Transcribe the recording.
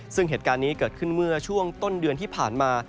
ซึ่งเหตุการณ์นี้เกิดขึ้นเมื่อช่วงต้นเดือนที่ผ่านมา